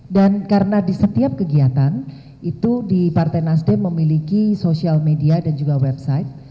karena di setiap kegiatan itu di partai nasdem memiliki sosial media dan juga website